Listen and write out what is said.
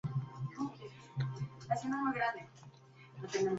En sus inicios, este grupo solo estaba compuesto por socios germanos.